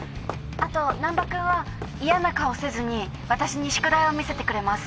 あと難破君は嫌な顔せずに私に宿題を見せてくれます。